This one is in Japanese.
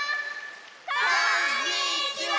こんにちは！